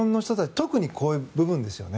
特にこういう部分ですよね。